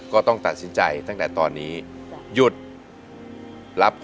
ก็ต้องตัดสินใจตั้งแต่ตอนนี้หยุดรับ